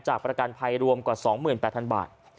ประกันภัยรวมกว่า๒๘๐๐๐บาท